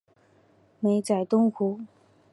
美哉东湖！